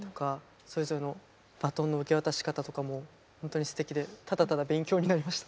それぞれのバトンの受け渡し方とかもほんとにすてきでただただ勉強になりました。